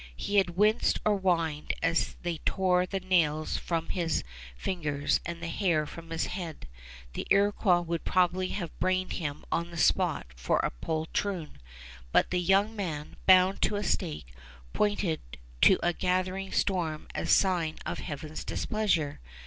Had he winced or whined as they tore the nails from his fingers and the hair from his head, the Iroquois would probably have brained him on the spot for a poltroon; but the young man, bound to a stake, pointed to a gathering storm as sign of Heaven's displeasure.